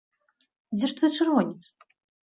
Дзе ж твой чырвонец?